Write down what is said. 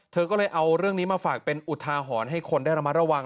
เธอก็เลยเอาเรื่องนี้มาฝากเป็นอุทาหรณ์ให้คนได้ระมัดระวัง